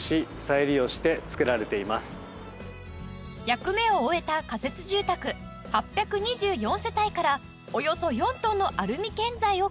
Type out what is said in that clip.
役目を終えた仮設住宅８２４世帯からおよそ４トンのアルミ建材を回収